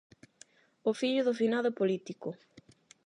O fillo do finado político.